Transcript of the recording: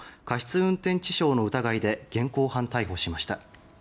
運転致傷の疑いで現行犯逮捕しました。